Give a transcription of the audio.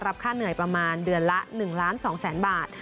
รับค่าเหนื่อยประมาณเดือนละ๑๒๐๐๐๐๐บาท